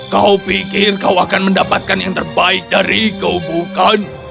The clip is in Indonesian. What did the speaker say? kau pikir kau akan mendapatkan yang terbaik dari kau bukan